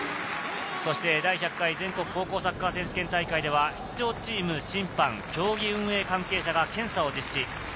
第１００回全国高校サッカー選手権大会では、出場チーム、審判、競技運営関係者が検査を実施。